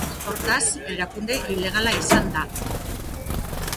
Hortaz, erakunde ilegala izan da.